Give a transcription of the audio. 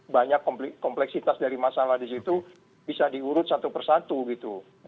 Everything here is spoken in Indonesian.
banyak kompleksitas dari masalah di situ bisa diurut satu persatu gitu